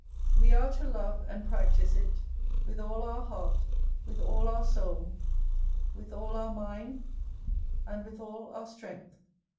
We are to love and practise it with all our heart, with all our soul, with all our mind, and with all our strength.